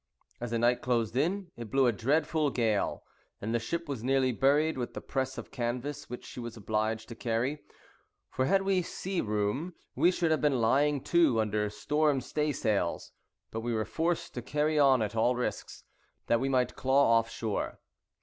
As the night closed in, it blew a dreadful gale, and the ship was nearly buried with the press of canvas which she was obliged to carry: for had we sea room, we should have been lying to under storm staysails; but we were forced to carry on at all risks, that we might claw off shore.